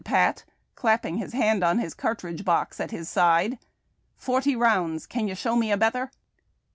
263 Pat, cla2:)ping his liaiul ou Ins cartridge box, at liis side ;'' forty rounds. Can you show nie a betther